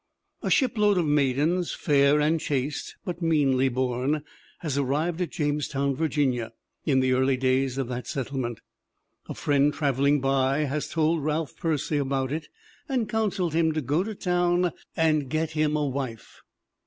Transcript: A shipload of maidens, "fair and chaste, but meanly born," has arrived at Jamestown, Virginia, in the early days of that set tlement. A friend traveling by has told Ralph Percy 132 MARY JOHNSTON 133 about it and counseled him to go to town and get him a wife.